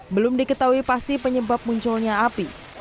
belum diketahui pasti penyebab munculnya api